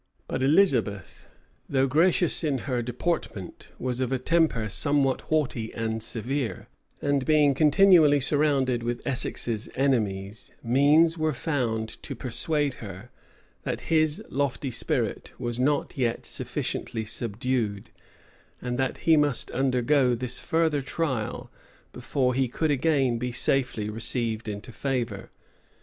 [] But Elizabeth, though gracious in her deportment, was of a temper somewhat haughty and severe; and being continually surrounded with Essex's enemies, means were found to persuade her, that his lofty spirit was not yet sufficiently subdued, and that he must undergo this further trial, before he could again be safely received into favor.